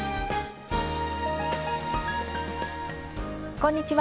こんにちは。